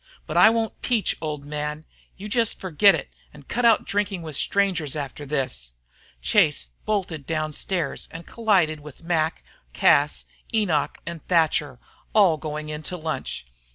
"But I won't peach, old man. You just forget it and cut out drinking with strangers after this." Chase bolted downstairs to collide with Mac, Cas, Enoch, and Thatcher, all going in to lunch.